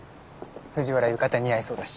藤原浴衣似合いそうだし。